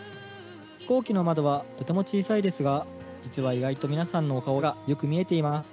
飛行機の窓はとても小さいですが、実は意外と皆さんのお顔がよく見えています。